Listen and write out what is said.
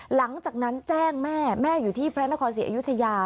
หลังจากนั้นแจ้งแม่แม่อยู่ที่พระนครศรีอยุธยา